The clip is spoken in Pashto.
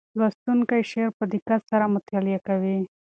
لوستونکی شعر په دقت سره مطالعه کوي.